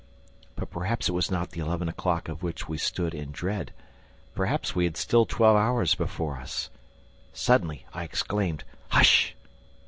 But perhaps it was not the eleven o'clock of which we stood in dread. Perhaps we had still twelve hours before us! Suddenly, I exclaimed: "Hush!"